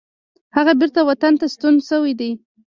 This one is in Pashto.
هغه بیرته وطن ته ستون شوی دی.